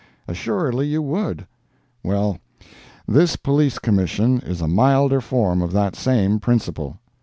Assuredly you would. Well, this Police Commission is a milder form of that same principle.